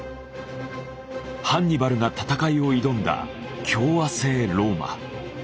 ハンニバルが戦いを挑んだ共和政ローマ。